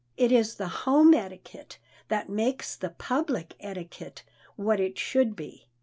It is the home etiquette that makes the public etiquette what it should be.